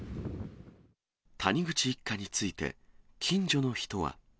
谷口一家について、近所の人は。